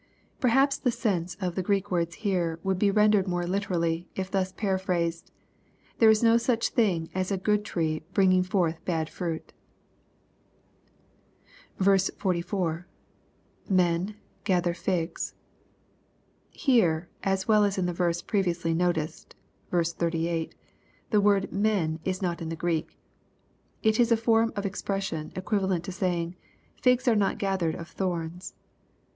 ] Perhaps the sense of the G reek words here would be rendered more literally, if thus paraphrased, " There is no such thing as a good tree bringing forth bad fruit." 44. — [Men.,..gather figs.] Here, as well as in the verse previously noticed (38,) the word ^' men" is not in the G reek. It is a form of expression equivalent to saying, "figs are not ga hered of thorns."